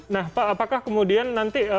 nah pak apakah kemudian nanti